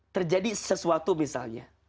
terjadi sesuatu misalnya